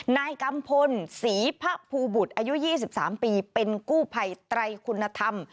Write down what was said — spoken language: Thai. นายกัมพลศรีพระภูบุตรอายุ๒๓ปีเป็นกู้ภัยไตรคุณธรรม